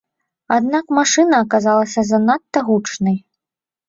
Аднак машына аказалася занадта гучнай.